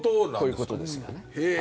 こういう事ですよね。